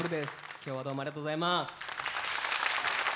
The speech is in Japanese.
今日はどうもありがとうございます